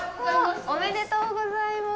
おめでとうございます。